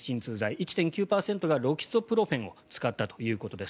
１．９％がロキソプロフェンを使ったということです。